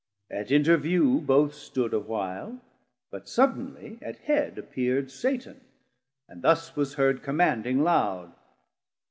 At interview both stood A while, but suddenly at head appeerd Satan: And thus was heard Commanding loud.